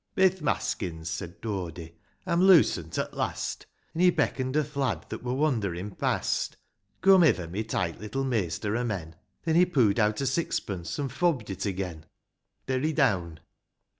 V. " Bi th' maskins," says Dody, " I'm losen't at last !" An' he beckon't o'th lad that wur wanderin' past !" Come hither, my tight little maister o' men !" Then he poo'd out a sixpence, — an' fobbed it again. Derry down.